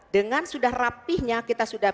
dengan sudah rapihnya kita sudah